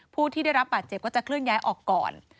ผู้ที่ได้รับบาดเจ็บก็จะเคลื่อนย้ายออกก่อน